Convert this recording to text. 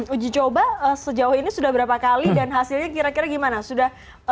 uji coba sejauh ini sudah berapa kali dan hasilnya kira kira gimana